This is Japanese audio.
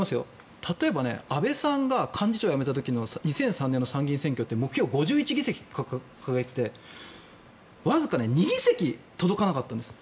例えば、安倍さんが幹事長を辞めた時の２００３年の参議院選挙って目標、５１議席掲げていてわずか２議席届かなかったんです。